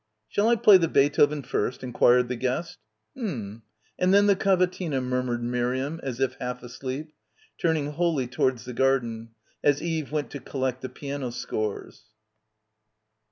"Shall I play the Beethoven first?" enquired the guest. "Mm — and then the Cavatina," murmured Miriam, as if half asleep, turning wholly towards the garden, as Eve went to collect the piano scores.